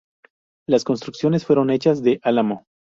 Las construcciones fueron hechas de álamo.